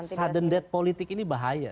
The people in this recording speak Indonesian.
sudden death politik ini bahaya